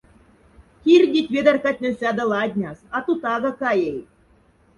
Кирдить ведаркатнень сяда ладняс, ату тага каяй!